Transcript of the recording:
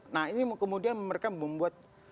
nah ini kemudian mereka membuat